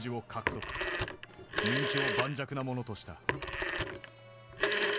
人気を盤石なものとした。